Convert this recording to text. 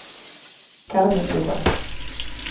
Carme Puga.